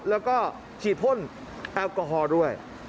แล้วก็ฉีดพ่นแอลกอฮอล์ด้วย